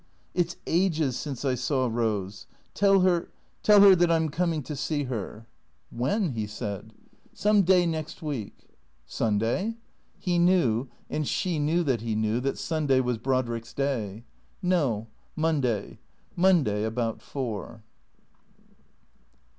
" It 's ages since I saw Rose. Tell her — tell her that I 'm coming to see her." T H E C R E A T 0 E S 363 " When ?" he said. " Some day next week." "Sunday?" He knew, and she knew that he knew, that Sunday was Brod rick's day. "No, Monday. Monday, about four."